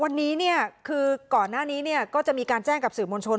วันนี้เนี่ยคือก่อนหน้านี้ก็จะมีการแจ้งกับสื่อมวลชน